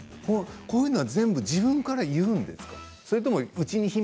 こういうのは全部自分から言うんですか？